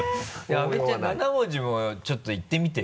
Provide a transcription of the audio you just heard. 阿部ちゃん７文字もちょっといってみてよ。